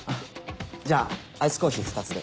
じゃあアイスコーヒー２つで。